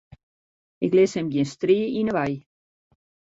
Ik lis him gjin strie yn 'e wei.